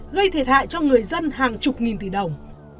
gây thiệt hại cho người dân hàng chục nghìn tỷ đồng